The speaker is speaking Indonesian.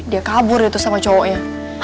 dia kabur itu sama cowoknya